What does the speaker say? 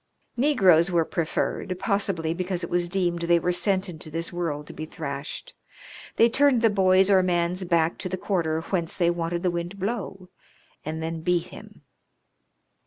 Negroes were preferred, possibly because it was deemed they were sent into this world to be thrashed. They turned the boy's or man's back to the quarter whence they wanted the wind to blow, and then beat him.